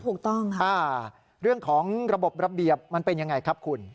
ถูกต้องค่ะเรื่องของระบบระเบียบมันเป็นยังไงครับคุณ